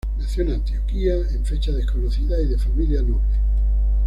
Nació en Antioquía en fecha desconocida y de familia noble.